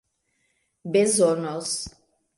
bezonos